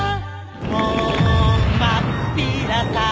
「もうまっぴらさー」